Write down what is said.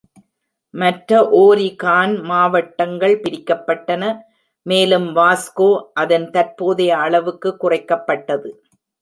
மற்ற ஓரிகான் மாவட்டங்கள் பிரிக்கப்பட்டன, மேலும் வாஸ்கோ அதன் தற்போதைய அளவுக்கு குறைக்கப்பட்டது.